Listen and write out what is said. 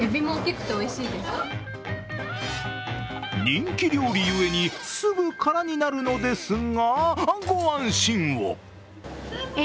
人気料理ゆえにすぐに空になるのですが、ご安心を。